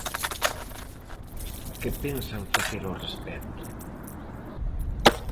¿Que pensan facer ao respecto?